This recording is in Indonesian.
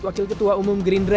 wakil ketua umum gerintra